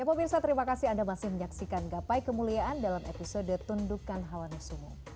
ya pemirsa terima kasih anda masih menyaksikan gapai kemuliaan dalam episode tundukan hawa nasumo